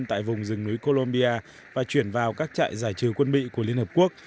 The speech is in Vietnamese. tại vùng rừng núi colombia và chuyển vào các trại giải trừ quân bị của liên hợp quốc